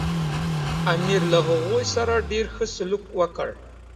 امیر له هغوی سره ډېر ښه سلوک وکړ.